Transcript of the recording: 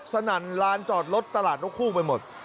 สนั่นร้านจอดรถตลาดทุกไปหมด